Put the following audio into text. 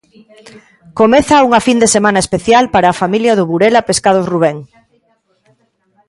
Comeza unha fin de semana especial para a familia do Burela Pescados Rubén.